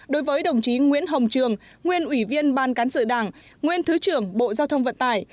đối với đồng chí nguyễn hồng trường nguyên ủy viên ban cán sự đảng nguyên thứ trưởng bộ giao thông vận tải